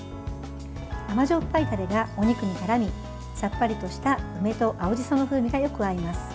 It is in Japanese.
甘じょっぱいタレがお肉にからみさっぱりとした梅と青じその風味がよく合います。